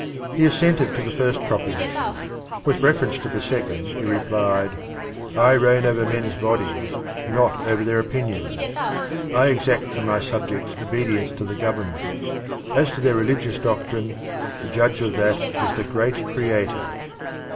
He assented to the first proposition. With reference to the second he replied "I reign over men's bodies, not over their opinions. I exact from my subjects obedience to the government; as to their religious doctrine, the judge of that is the great Creator."